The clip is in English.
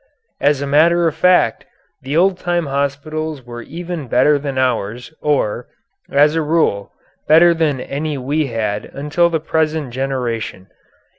As a matter of fact, the old time hospitals were even better than ours or, as a rule, better than any we had until the present generation.